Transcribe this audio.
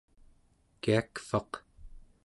kiakvaq